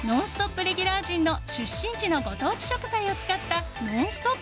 レギュラー陣の出身地のご当地食材を使ったノンストップ！